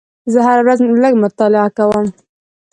زه هره ورځ لږ مطالعه کوم.